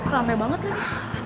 rame banget lagi